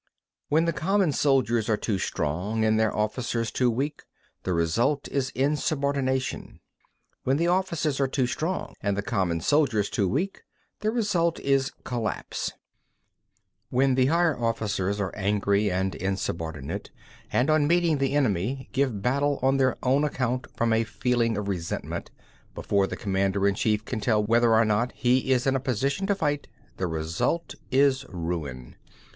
16. When the common soldiers are too strong and their officers too weak, the result is insubordination. When the officers are too strong and the common soldiers too weak, the result is collapse. 17. When the higher officers are angry and insubordinate, and on meeting the enemy give battle on their own account from a feeling of resentment, before the commander in chief can tell whether or no he is in a position to fight, the result is ruin.